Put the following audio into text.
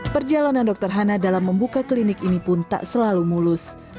perjalanan dokter hana dalam membuka klinik ini pun tak selalu mulus